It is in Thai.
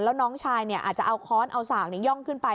แล้วน้องชายอาจจะเอาค้อนเอาสากย่องขึ้นไป